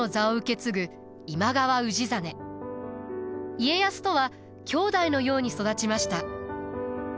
家康とは兄弟のように育ちました。